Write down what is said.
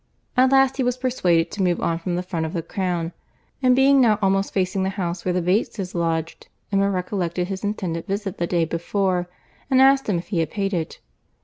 At last he was persuaded to move on from the front of the Crown; and being now almost facing the house where the Bateses lodged, Emma recollected his intended visit the day before, and asked him if he had paid it.